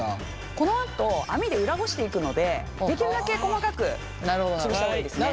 このあと網で裏ごしていくのでできるだけ細かくつぶした方がいいですね。